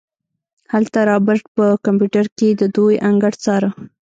هلته رابرټ په کمپيوټر کې د دوئ انګړ څاره.